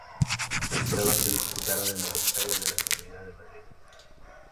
Las pruebas se disputaron en el Estadio de la Comunidad de Madrid.